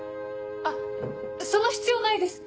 あっその必要ないです。